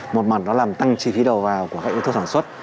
một mặt nó làm tăng chi phí đầu vào của các yếu tố sản xuất